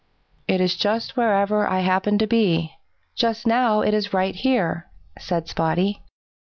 "It is just wherever I happen to be. Just now it is right here," said Spotty.